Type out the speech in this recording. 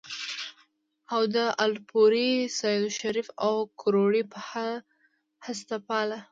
او د الپورۍ ، سېدو شريف ، او کروړې پۀ هسپتال